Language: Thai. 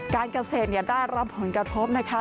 การเกษตรได้รับผลกระทบนะคะ